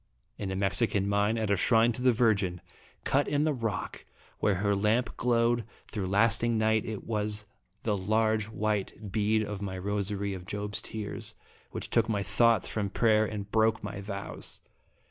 In a Mexican mine, at a shrine to the Virgin, cut in the rock where her lamp glowed through last ing night, It was the large white bead of my rosary of Job's Tears, which took my thoughts from prayer and broke my vows.